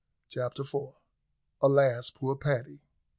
CHAPTER FOUR. ALAS, POOR PADDY!